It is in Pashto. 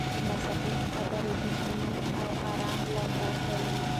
ناصحيح خبرې د کینې اور لمبه کوي.